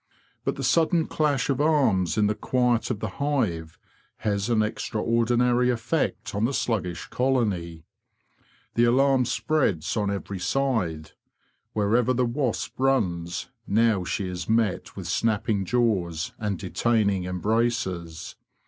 But the sudden clash of arms in the quiet of the hive has an extraordinary effect on the sluggish colony. The alarm spreads on every side. Wherever the wasp runs now she is met with snapping jaws and detaining embraces.